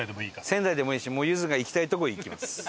仙台でもいいしゆづが行きたいとこへ行きます。